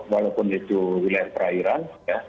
walaupun itu wilayah perairan